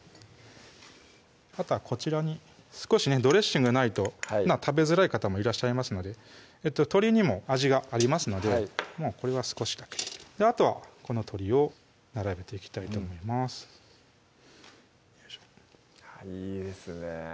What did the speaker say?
あとはこちらに少しねドレッシングないと食べづらい方もいらっしゃいますので鶏にも味がありますのでもうこれは少しだけあとはこの鶏を並べていきたいと思いますいいですね